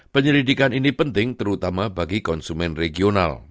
penyelidikan ini penting terutama bagi konsumen regional